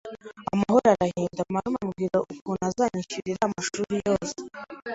amahoro arahinda, marume ambwira ukuntu azanyishyurira amashuri yose